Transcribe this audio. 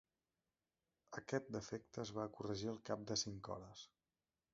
Aquest defecte es va corregir al cap de cinc hores.